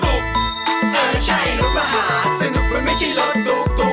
เออใช่รถประหาสนุกมันไม่ใช่รถตุ๊กตุ๊ก